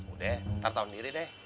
udah ntar tau sendiri deh